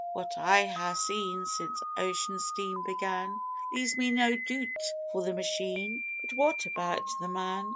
What I ha' seen since ocean steam began Leaves me no doot for the machine: but what about the man?